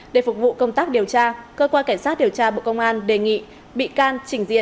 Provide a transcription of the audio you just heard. để phục vụ công tác điều tra cơ quan cảnh sát điều tra bộ công an đề nghị bị can trình diện